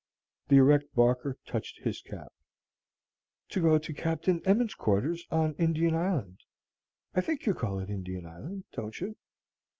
(the erect Barker touched his cap,) "to go to Captain Emmons's quarters on Indian Island, I think you call it Indian Island, don't you?"